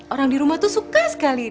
orang di rumah tuh suka sekali